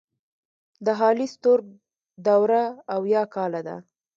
د هالی ستورک دوره اويا کاله ده.